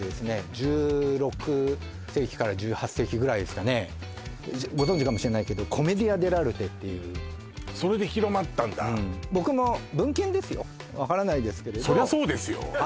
１６世紀から１８世紀ぐらいですかねご存じかもしれないけどコメディア・デラルテっていうそれで広まったんだ僕も文献ですよ分からないですけどそりゃそうですよ